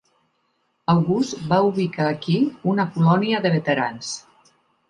August va ubicar aquí una colònia de veterans.